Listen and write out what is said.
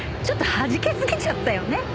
ちょっとはじけすぎちゃったよね。